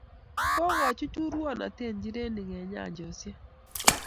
Kokochuch urwonotet njirenik eng nyanjosiek